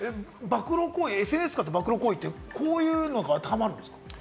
ＳＮＳを使った暴露行為っていうのはこういうのにあてはまるんですか？